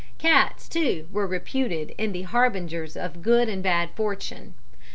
Cats, too, were reputed the harbingers of good and bad fortune.